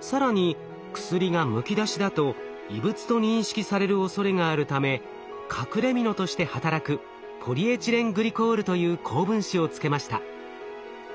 更に薬がむき出しだと異物と認識されるおそれがあるため隠れみのとして働くポリエチレングリコールという高分子をつけました。